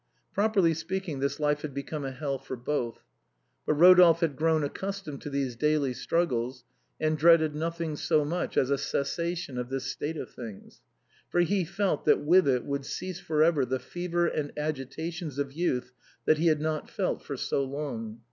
Properly speaking, this life had become a hell for both. But Rodolphe had grown ac customed to these daily struggles, and dreaded nothing so much as a cessation of this state of things ! for he felt that with it would cease for ever the fevers and agitations of youth that he had not felt for so long.